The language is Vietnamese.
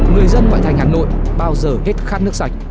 người dân ngoại thành hà nội bao giờ hết khát nước sạch